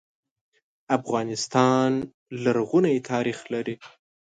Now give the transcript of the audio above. افغانستان لرغونی ناریخ لري.